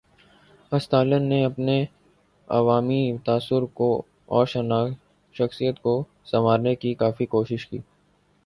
استالن نے اپنے عوامی تاثر اور شخصیت کو سنوارنے کی کافی کوشش کی۔